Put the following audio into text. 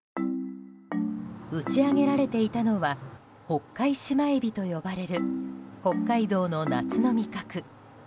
打ち揚げられていたのはホッカイシマエビと呼ばれる北海道の夏の味覚。